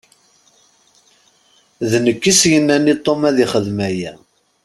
D nekk i s-yennan i Tom ad yexdem aya.